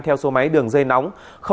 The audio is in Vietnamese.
theo số máy đường dây nóng